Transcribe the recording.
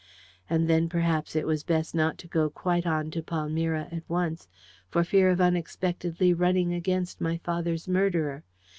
And then, perhaps it was best not to go quite on to Palmyra at once, for fear of unexpectedly running against my father's murderer.